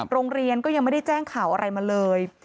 โรงเรียนก็ยังไม่ได้แจ้งข่าวอะไรมาเลย